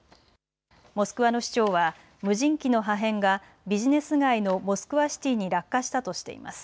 モスクワの市長は無人機の破片がビジネス街のモスクワシティに落下したとしています。